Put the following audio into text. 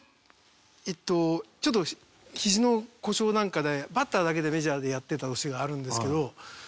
ちょっとひじの故障なんかでバッターだけでメジャーでやってた年があるんですけど。